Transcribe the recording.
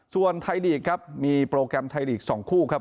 ส่วนไทยลีกครับมีโปรแกรมไทยลีก๒คู่ครับ